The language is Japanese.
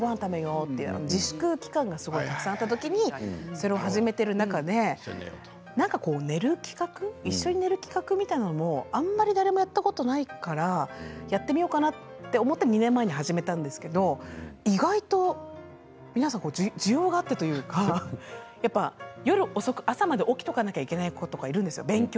自粛期間がたくさんあった時に一緒に食べようと始めた時に何か一緒に寝る企画みたいなのはあまり誰もやったことがないからやってみようかなと思って２年前に始めたんですけれど意外と皆さん、需要があってというか夜遅く、朝まで起きていなきゃいけない子とかいるんですよ。